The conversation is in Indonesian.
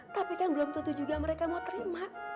tapi kan belum tentu juga mereka mau terima